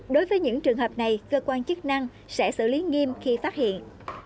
đối với những trường hợp này cơ quan chức năng sẽ xử lý nghiêm khi phát hiện